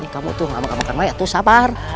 kamu tuh sama kawan saya tuh sabar